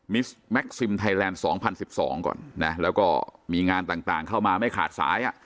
มิสแม็กซิมไทยแลนด์สองพันสิบสองก่อนนะแล้วก็มีงานต่างต่างเข้ามาไม่ขาดสายอ่ะ